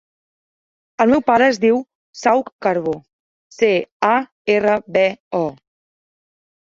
El meu pare es diu Saüc Carbo: ce, a, erra, be, o.